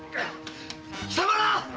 貴様ら！